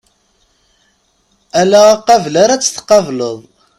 Ala aqabel ara tt-tqableḍ.